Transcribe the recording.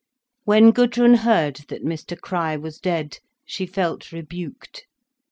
When Gudrun heard that Mr Crich was dead, she felt rebuked.